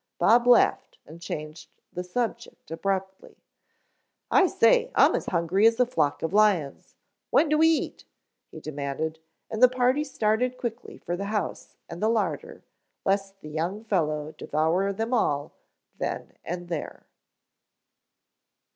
Bob laughed and changed the subject abruptly. "I say, I'm as hungry as a flock of lions. When do we eat?" he demanded, and the party started quickly for the house and the larder, lest the young fellow devour them all then and there.